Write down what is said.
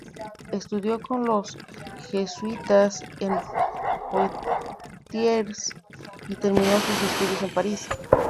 Estudió con los jesuitas en Poitiers y terminó sus estudios en París.